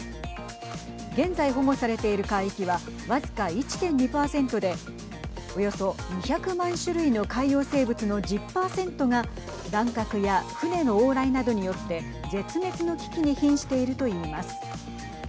現在保護されている海域は僅か１．２％でおよそ２００万種類の海洋生物の１０％が乱獲や船の往来などによって絶滅の危機にひんしていると言います。